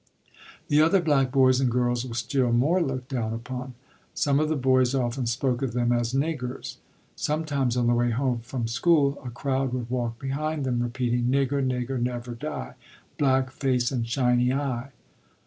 The other black boys and girls were still more looked down upon. Some of the boys often spoke of them as "niggers." Sometimes on the way home from school a crowd would walk behind them repeating: "Nigger, nigger, never die, Black face and shiny eye."